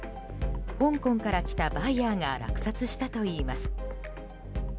香港から来たバイヤーが落札したといいます。